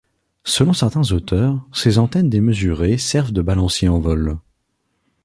Selon certains auteurs, ces antennes démesurées servent de balancier en vol.